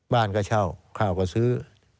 บ้านก็เช่าข้าวก็ซื้อ